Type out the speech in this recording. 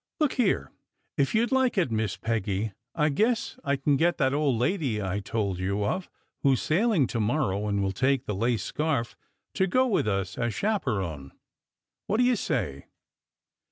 Look here, if you d like it, Miss Peggy, I guess I can get that old lady I told you of, who s sailing to morrow and will take the lace scarf, to go with us as chaperon. What do you say?"